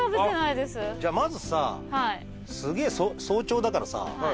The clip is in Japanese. じゃあまずさすげえ早朝だからさ。